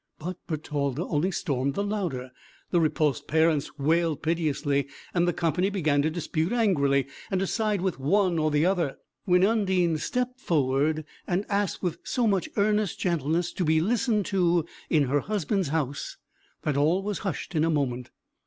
But Bertalda only stormed the louder; the repulsed parents wailed piteously, and the company began to dispute angrily and to side with one or the other; when Undine stepped forward, and asked with so much earnest gentleness to be listened to in her husband's house that all was hushed in a moment.